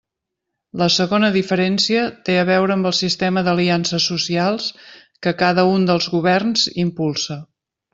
La segona diferència té a veure amb el sistema d'aliances socials que cada un dels governs impulsa.